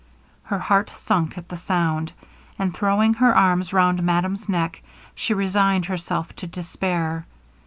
Her heart sunk at the sound; and throwing her arms round madame's neck, she resigned herself to despair.